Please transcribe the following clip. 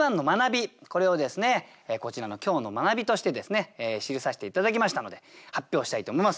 これをですねこちらの今日の学びとしてですね記させて頂きましたので発表したいと思います。